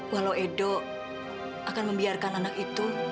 walau edo akan membiarkan anak itu